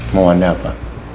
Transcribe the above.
mau anda apa